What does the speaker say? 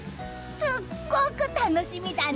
すっごく楽しみだね！